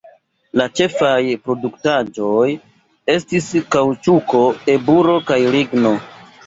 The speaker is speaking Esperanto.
La ĉefaj produktaĵoj estis kaŭĉuko, eburo kaj ligno.